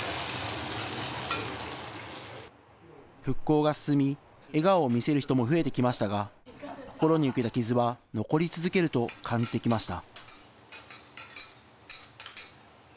復興が進み、笑顔を見せる人も増えてきましたが、心に受けた傷は残り続けると感じてきました。